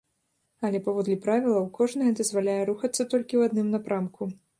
Але, паводле правілаў, кожная дазваляе рухацца толькі ў адным напрамку.